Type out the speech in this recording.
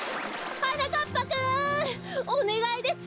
はなかっぱくんおねがいです！